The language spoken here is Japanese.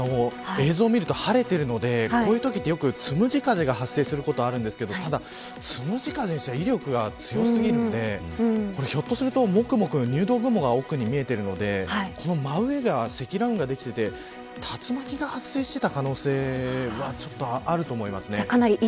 映像を見ると晴れているのでこういうときってよくつむじ風が発生することがあるんですけどただ、つむじ風にしては威力が強すぎるのでこれ、ひょっとするともくもくと入道雲が奥に見えているのでこの真上で積乱雲ができていて竜巻が発生していた可能性があると思います。